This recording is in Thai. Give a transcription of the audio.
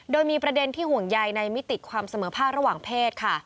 โดยมีประเด็นที่ห่วงใยในมิติความเสมอภาคระหว่างเพศค่ะ